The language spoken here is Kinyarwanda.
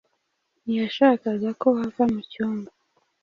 Ntiyashakaga ko ava mu cyumba.